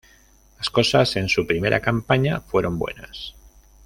Las cosas en su primera campaña fueron buenas.